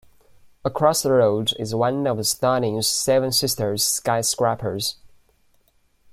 Across the road is one of Stalin's Seven Sisters skyscrapers.